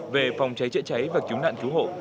về phòng cháy chữa cháy và cứu nạn cứu hộ